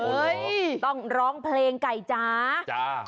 โอ้โฮต้องร้องเพลงไก่จ๋าจ๋า